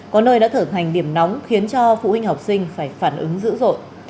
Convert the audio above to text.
có nơi đã trở thành điểm nóng khiến cho phụ huynh học sinh phải phản ứng dữ dội